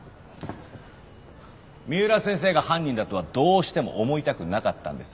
三浦先生が犯人だとはどうしても思いたくなかったんです。